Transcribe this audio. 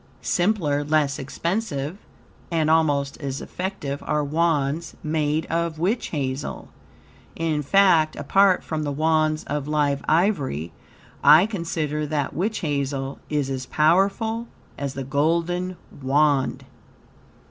Simpler, less expensive, and almost as effective, are Wands made of witch hazel. In fact, apart from the Wands of live ivory, I consider that witch hazel is as powerful as the golden Wand.